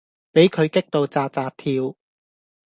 比佢激到紥紥跳